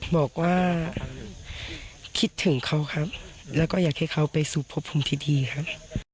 บอกว่าคิดถึงเขาครับแล้วก็อยากให้เขาไปสู่พบภูมิที่ดีครับ